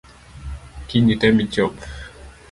Kiny item ichop.